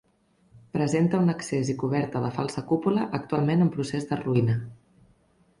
Presenta un accés i coberta de falsa cúpula, actualment en procés de ruïna.